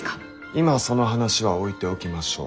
今その話は置いておきましょう。